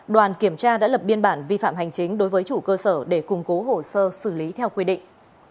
đoàn kiểm tra đã lập biên bản vi phạm hành chính đối với chủ cơ sở để củng cố hồ sơ xử lý theo quy định